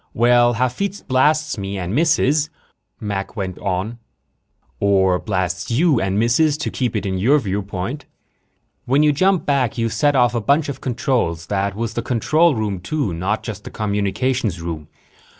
"Well, Hafitz blasts me and misses," Mac went on, " or blasts you and misses, to keep it in your viewpoint. When you jump back, you set off a bunch of controls. That was the control room, too, not just the communications room.